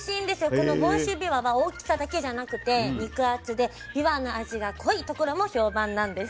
この房州びわは大きさだけじゃなくて肉厚でびわの味が濃いところも評判なんです。